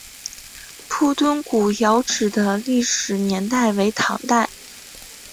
铺墩古窑址的历史年代为唐代。